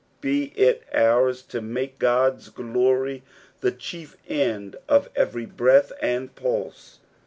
Be it ours to make Uod's glory the chief end of every breath and pulse.